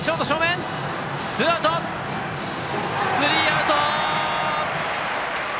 スリーアウト！